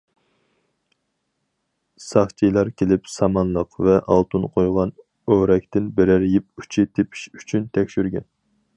ساقچىلار كېلىپ سامانلىق ۋە ئالتۇن قويغان ئورەكتىن بىرەر يىپ ئۇچى تېپىش ئۈچۈن تەكشۈرگەن.